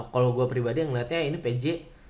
kalo gua pribadi yang ngeliatnya ini pj